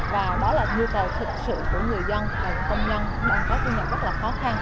và đó là nhu cầu thực sự của người dân và công nhân đang có cái nhận rất là khó khăn